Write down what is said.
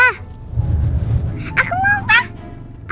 aku mau pa